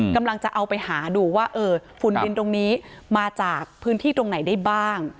กำลังจะเอาไปหาดูว่าเออฝุ่นดินตรงนี้มาจากพื้นที่ตรงไหนได้บ้าง